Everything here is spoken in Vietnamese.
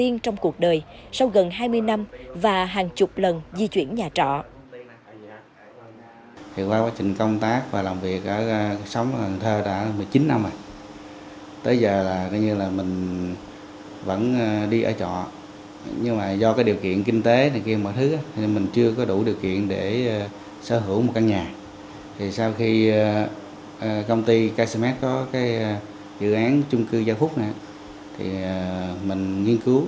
nhưng vẫn là người tiên trong cuộc đời sau gần hai mươi năm và hàng chục lần di chuyển nhà trọ